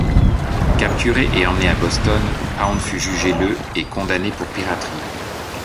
Capturé et emmené à Boston, Pound fut jugé le et condamné pour piraterie.